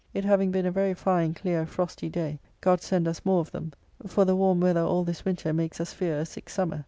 It having been a very fine clear frosty day God send us more of them! for the warm weather all this winter makes us fear a sick summer.